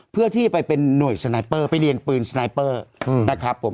เพื่อที่ไปเป็นหน่วยสไนเปอร์ไปเรียนปืนสไนเปอร์นะครับผม